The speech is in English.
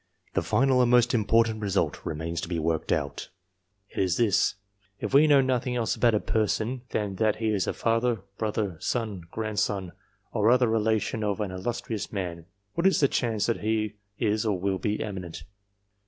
The final and most important result remains to be worked out ; it is this : if we know nothing else about a person than that he is a father, brother, son, grandson, or other relation of an illustrious man, what is the chance that he is or will be eminent